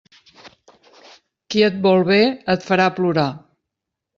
Qui et vol bé et farà plorar.